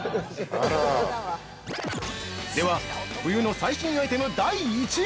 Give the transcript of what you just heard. ◆では、冬の最新アイテム第１位。